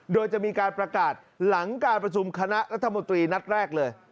โดยจะมีการประกาศหลังการประชุมคณะรัฐมนตรีนัดแรกเลย